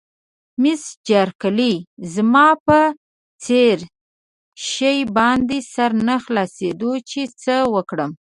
مس بارکلي: زما په هېڅ شي باندې سر نه خلاصېده چې څه وکړم.